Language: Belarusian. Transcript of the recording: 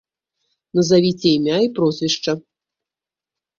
Назавіце імя і прозвішча.